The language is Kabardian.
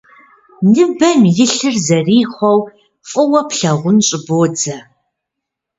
Ныбэм илъыр зэрихъуэу фӀыуэ плъагъун щӀыбодзэ.